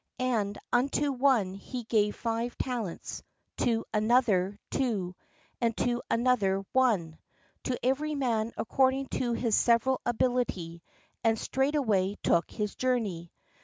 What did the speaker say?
And unto one he gave five tal ents, to another two, and to another one ; to every man according to his several ability ; and straightway took his journey.